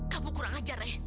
kamu kurang ajar ray